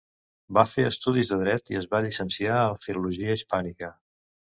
Va fer estudis de Dret i es va llicenciar en Filologia hispànica.